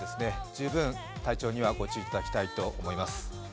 十分、体調にはご注意いただきたいと思います。